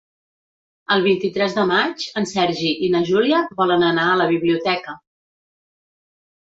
El vint-i-tres de maig en Sergi i na Júlia volen anar a la biblioteca.